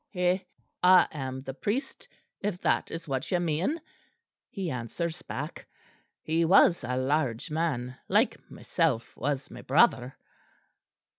"'Heh! I am the priest, if that is what you mean,' he answers back. (He was a large man, like myself, was my brother.)